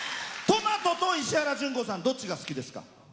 トマトと石原詢子さんどっちが好きですか？